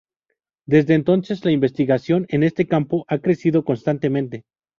Desde entonces, la investigación en este campo ha crecido constantemente.